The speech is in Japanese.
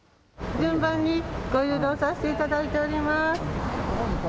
順番にご誘導させていただいております。